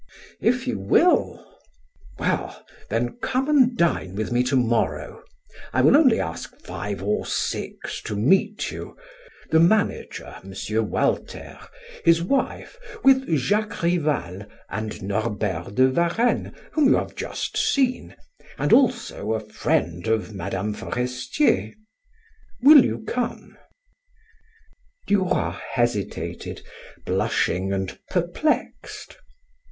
"If you will." "Well, then come and dine with me to morrow; I will only ask five or six to meet you; the manager, M. Walter, his wife, with Jacques Rival, and Norbert de Varenne whom you have just seen, and also a friend of Mme. Forestier, Will you come?" Duroy hesitated, blushing and perplexed.